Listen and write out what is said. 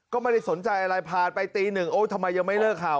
ก็ไม่ได้สนใจอะไรผ่านไปตีหนึ่งโอ้ยทำไมยังไม่เลิกเห่า